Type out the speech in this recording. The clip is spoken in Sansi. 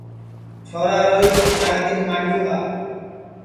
چھورا روہِیت چانٚھ کِدؔ ماڈُؔوں گا